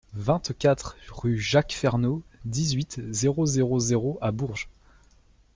vingt-quatre rue Jacques Fernault, dix-huit, zéro zéro zéro à Bourges